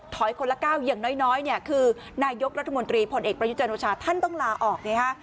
คนละก้าวอย่างน้อยเนี่ยคือนายกรัฐมนตรีพลเอกประยุจันทร์โอชาท่านต้องลาออกไงฮะ